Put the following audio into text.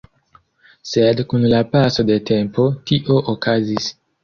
Sed kun la paso de tempo, tio okazis.